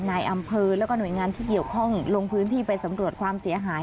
นายอำเภอแล้วก็หน่วยงานที่เกี่ยวข้องลงพื้นที่ไปสำรวจความเสียหาย